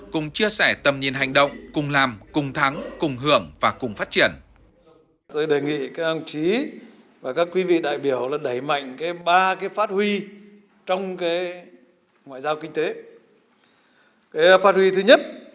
cùng chia sẻ tầm nhìn hành động cùng làm cùng thắng cùng hưởng và cùng phát triển